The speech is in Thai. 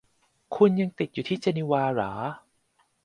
คุณยังติดอยู่ที่เจนีวาหรา